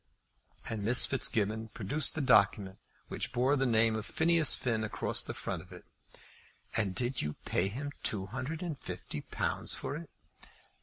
And Miss Fitzgibbon produced the document which bore the name of Phineas Finn across the front of it. "And did you pay him two hundred and fifty pounds for it?"